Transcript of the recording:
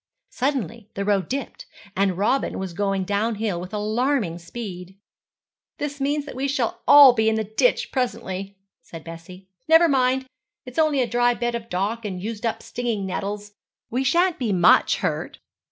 Suddenly the road dipped, and Robin was going downhill with alarming speed. 'This means that we shall all be in the ditch presently,' said Bessie. 'Never mind. It's only a dry bed of dock and used up stinging nettles. We shan't be much hurt.'